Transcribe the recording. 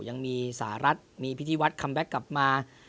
ยังมีสหรัฐมีพิธีวัฒคัมแบ็คกลับมา